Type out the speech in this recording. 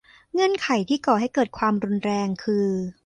เงื่อนไขที่ก่อให้เกิดความรุนแรง คือ